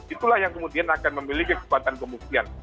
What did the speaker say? itulah yang kemudian akan memiliki kekuatan pembuktian